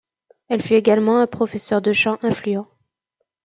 Elle fut également un professeur de chant influent.